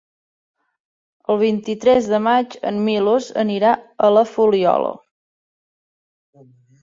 El vint-i-tres de maig en Milos anirà a la Fuliola.